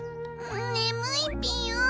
ねむいぴよん。